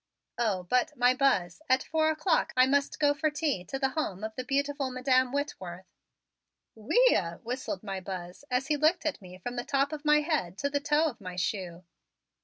"Oh, but, my Buzz, at four o'clock I must go for tea to the home of beautiful Madam Whitworth." "Whe ee uh!" whistled my Buzz as he looked at me from the top of my head to the toe of my shoe.